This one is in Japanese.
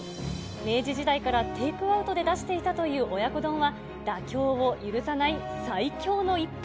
明治時代からテイクアウトで出していたという親子丼は、妥協を許さない最強の一杯。